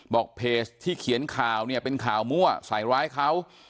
บอกเพจที่เขียนข่าวเป็นข่าวมั่วสายร้ายเขา